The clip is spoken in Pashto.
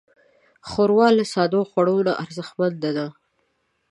ښوروا له ساده خوړو نه ارزښتمنه ده.